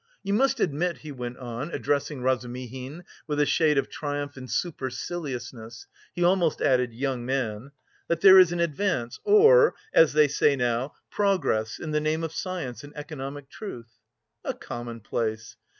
"You must admit," he went on, addressing Razumihin with a shade of triumph and superciliousness he almost added "young man" "that there is an advance, or, as they say now, progress in the name of science and economic truth..." "A commonplace."